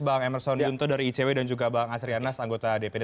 bang emerson yunto dari icw dan juga bang asri yannas anggota dpd